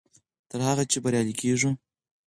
تر هغه چې بریالي کېږو.